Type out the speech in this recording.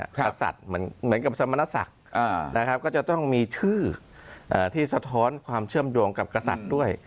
กาศัตริย์เหมือนกับสมณศักดิ์ต้องมีชื่อที่สะท้อนกับกาศัตริย์